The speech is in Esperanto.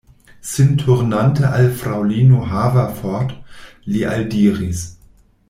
Sin turnante al fraŭlino Haverford, li aldiris: